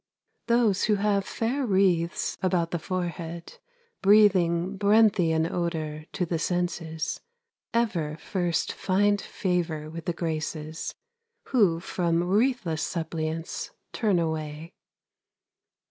Those who have fair wreaths about the forehead, Breathing brentheian odor to the senses, Ever first find favor with the Graces Who from wreathless suppliants turn away.